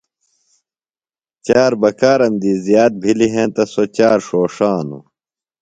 چار بکارم دی زِیات بِھلی ہینتہ سوۡ چار ݜوݜانوۡ۔